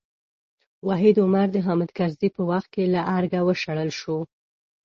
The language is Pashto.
وحید عمر د حامد کرزي په وخت کې له ارګه وشړل شو.